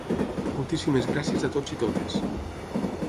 Moltíssimes gràcies a tots i totes.